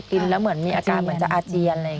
กินแล้วมีอาการเหมือนจะอาเจียน